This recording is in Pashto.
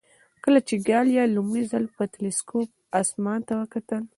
کله چې ګالیله لومړی ځل په تلسکوپ اسمان ته وکتل.